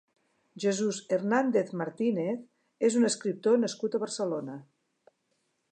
Jesús Hernández Martínez és un escriptor nascut a Barcelona.